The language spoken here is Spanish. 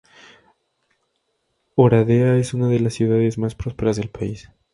Oradea es una de las ciudades más prósperas del país.